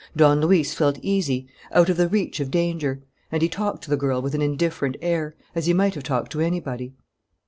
Don Luis felt easy, out of the reach of danger; and he talked to the girl with an indifferent air, as he might have talked to anybody.